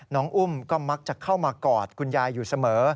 อุ้มก็มักจะเข้ามากอดคุณยายอยู่เสมอ